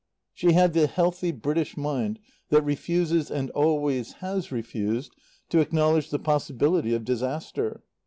She had the healthy British mind that refuses and always has refused to acknowledge the possibility of disaster.